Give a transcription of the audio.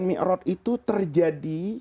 mikrot itu terjadi